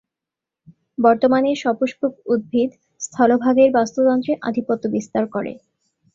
বর্তমানে সপুষ্পক উদ্ভিদ স্থলভাগের বাস্তুতন্ত্রে আধিপত্য বিস্তার করে।